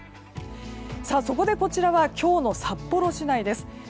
そこでこちらは今日の札幌市内です。